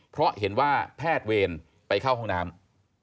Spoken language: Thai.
เพราะเห็นว่าแพทย์เวรไปเข้าห้องน้ำ